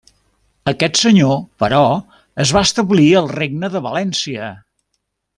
Aquest senyor, però, es va establir al regne de València.